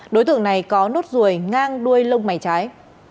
đối tượng này có nốt ruồi ngang đuôi lông mày trái